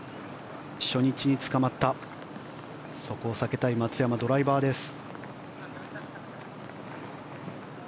初日につかまったそこを避けたい松山ドライバーです。